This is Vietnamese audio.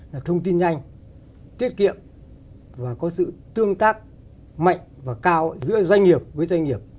là thông tin nhanh tiết kiệm và có sự tương tác mạnh và cao giữa doanh nghiệp với doanh nghiệp